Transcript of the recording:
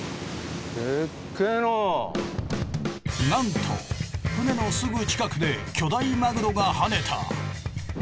なんと船のすぐ近くで巨大マグロが跳ねた！